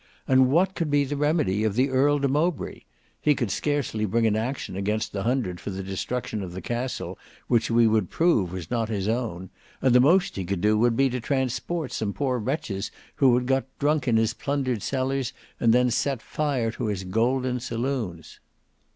And what could be the remedy of the Earl de Mowbray? He could scarcely bring an action against the hundred for the destruction of the castle, which we would prove was not his own. And the most he could do would be to transport some poor wretches who had got drunk in his plundered cellars and then set fire to his golden saloons."